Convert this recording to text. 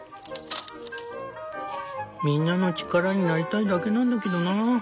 みんなの力になりたいだけなんだけどな。